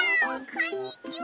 こんにちは。